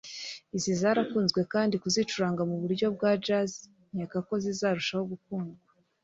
izi zarakunzwe kandi kuzicuranga mu buryo bwa Jazz nkeka ko zizarushaho gukundwa